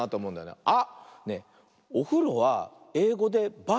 あっ！